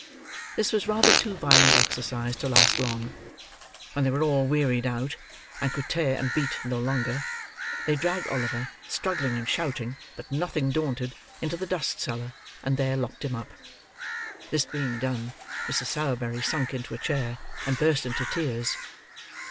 This was rather too violent exercise to last long. When they were all wearied out, and could tear and beat no longer, they dragged Oliver, struggling and shouting, but nothing daunted, into the dust cellar, and there locked him up. This being done, Mrs. Sowerberry sunk into a chair, and burst into tears.